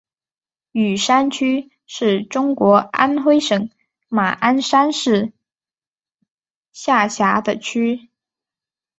雨山区是中国安徽省马鞍山市下辖的区。